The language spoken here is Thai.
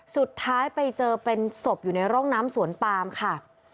สุดท้ายไปเจอเป็นศพอยู่ในร่องน้ำสวนปามค่ะ